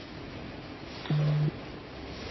带广市